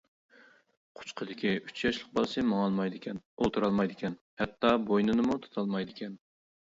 قۇچىقىدىكى ئۈچ ياشلىق بالىسى ماڭالمايدىكەن، ئولتۇرالمايدىكەن، ھەتتا بوينىنىمۇ تۇتالمايدىكەن.